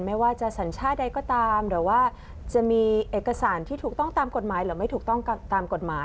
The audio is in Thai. ไม่ว่าจะสัญชาติใดก็ตามหรือว่าจะมีเอกสารที่ถูกต้องตามกฎหมายหรือไม่ถูกต้องตามกฎหมาย